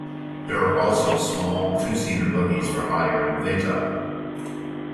There are also small, two-seater buggies for hire in Vaitape.